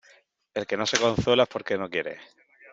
El que no se consuela es por que no quiere.